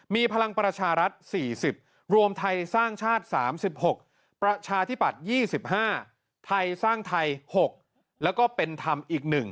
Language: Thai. มีพลังประชารัฐ๔๐รวมไทยสร้างชาติ๓๖ประชาธิปัตย์๒๕ไทยสร้างไทย๖แล้วก็เป็นธรรมอีก๑